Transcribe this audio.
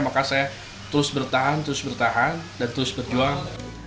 maka saya terus bertahan terus bertahan dan terus berjuang